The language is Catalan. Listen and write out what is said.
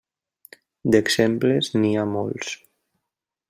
D'exemples n'hi ha molts.